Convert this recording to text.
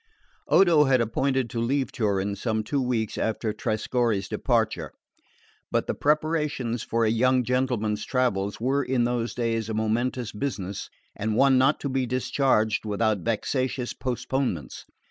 2.6. Odo had appointed to leave Turin some two weeks after Trescorre's departure; but the preparations for a young gentleman's travels were in those days a momentous business, and one not to be discharged without vexatious postponements.